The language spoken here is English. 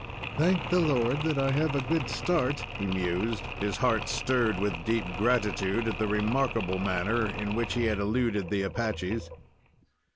"Thank the Lord, that I have a good start," he mused, his heart stirred with deep gratitude at the remarkable manner in which he had eluded the Apaches.